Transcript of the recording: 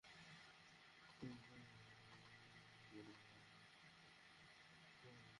ঈদের কয়েক দিন আগে রাস্তায় কিছু খোয়া ফেলে দায়সারা রকম কাজ হয়।